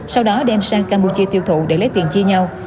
sau đó đem sang campuchia tiêu thụ để lấy tiền chia nhau